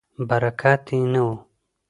برکت یې نه و.